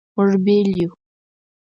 مونږ بیل یو